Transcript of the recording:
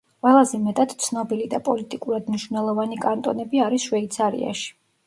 ყველაზე მეტად ცნობილი და პოლიტიკურად მნიშვნელოვანი კანტონები არის შვეიცარიაში.